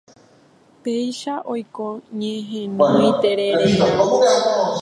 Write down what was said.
Péicha oiko ñehenói terererã